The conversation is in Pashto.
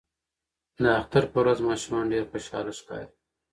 د اختر په ورځ ماشومان ډیر خوشاله ښکاري.